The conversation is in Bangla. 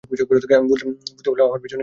আমি বুঝতে পারলাম আমার পিছনে কেউ আছে।